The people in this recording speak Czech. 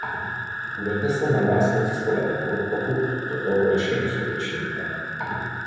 Budete se na nás moci spolehnout, pokud toto konečně uskutečníte.